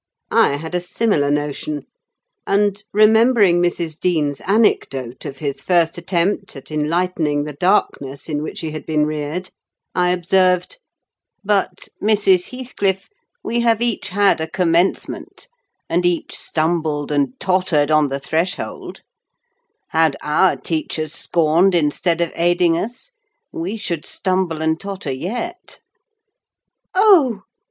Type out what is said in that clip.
I had a similar notion; and, remembering Mrs. Dean's anecdote of his first attempt at enlightening the darkness in which he had been reared, I observed,—"But, Mrs. Heathcliff, we have each had a commencement, and each stumbled and tottered on the threshold; had our teachers scorned instead of aiding us, we should stumble and totter yet." "Oh!"